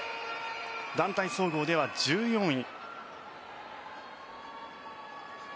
団体総合では１４位。